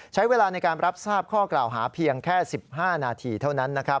ใช้เวลาในการรับทราบข้อกล่าวหาเพียงแค่๑๕นาทีเท่านั้น